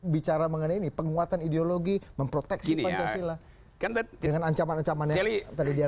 bicara mengenai ini penguatan ideologi memproteksi pancasila dengan ancaman ancaman yang tadi dia